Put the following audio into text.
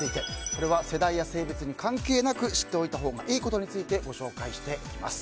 これは世代や性別に関係なく知っておいたほうがいいことについてご紹介していきます。